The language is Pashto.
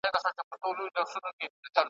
پروا نه لري، مشر ورور دی، مشر آکا یا ماما دی،